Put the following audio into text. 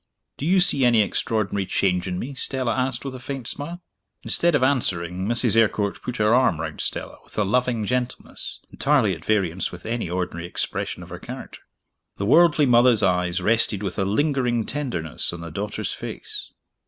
"Do you see any extraordinary change in me?" Stella asked, with a faint smile. Instead of answering, Mrs. Eyrecourt put her arm round Stella with a loving gentleness, entirely at variance with any ordinary expression of her character. The worldly mother's eyes rested with a lingering tenderness on the daughter's face.